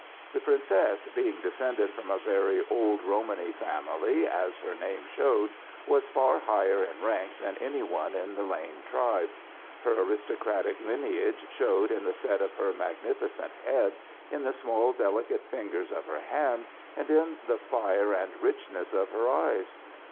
The princess, being descended from a very old Romany family, as her name showed, was far higher in rank than any one in the Lane tribe. Her aristocratic lineage showed in the set of her magnificent head, in the small, delicate fingers of her hand, and in the fire and richness of her eyes.